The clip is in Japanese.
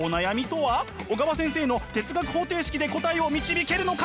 小川先生の哲学方程式で答えを導けるのか！？